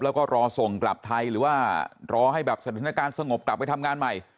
แล้วก็รอส่งกลับไทยหรือว่ารอให้แบบสถานการณ์สงบกลับไปทำงานใหม่